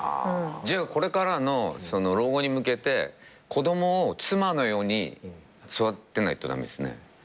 じゃあこれからの老後に向けて子供を妻のように育てないと駄目ですね。